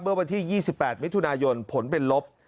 เมื่อวันที่๒๘มิถุนายนผลเป็นลบ